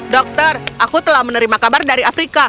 dokter aku telah menerima kabar dari afrika